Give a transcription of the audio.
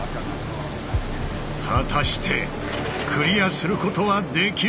果たしてクリアすることはできるのか？